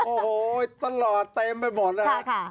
โอ้โหตลอดเต็มไปหมดอ่ะใช่ค่ะ